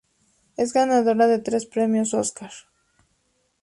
Es ganadora de tres Premios Óscar.